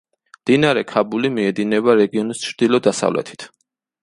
მდინარე ქაბული მიედინება რეგიონის ჩრდილო–დასავლეთით.